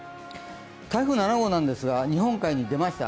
台風７号なんですが、日本海に出ました。